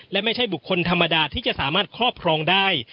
และไม่ใช่บุคคลธรรมดาที่จะสามารถครอบครองได้